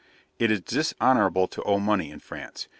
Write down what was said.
It is dishonourable to owe money in France.